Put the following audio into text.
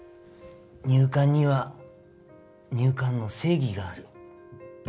入管には入管の正義がある。